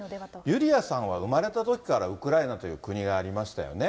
ユリアさんは、生まれたときからウクライナという国がありましたよね。